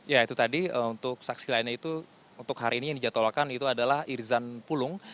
ya itu tadi untuk saksi lainnya itu untuk hari ini yang dijadwalkan itu adalah irzan pulung